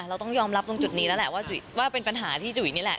เราต้องยอมรับตรงจุดนี้แล้วแหละว่าจุ๋ยว่าเป็นปัญหาที่จุ๋ยนี่แหละ